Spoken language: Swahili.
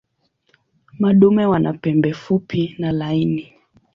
Madume wana pembe fupi na laini.